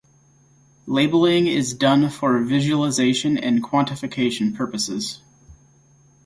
Labeling is done for visualization and quantification purposes.